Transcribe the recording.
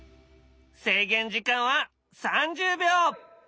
制限時間は３０秒。